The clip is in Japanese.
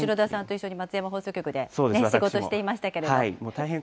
後田さんと一緒に松山放送局で仕事していましたけれども。